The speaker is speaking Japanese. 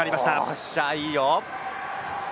おっしゃ、いいよ。